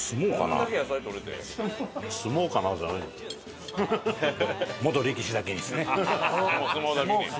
お相撲だけに。